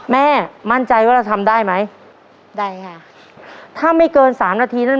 แม่มั่นใจว่าเราทำได้ไหมได้ค่ะถ้าไม่เกินสามนาทีนั้น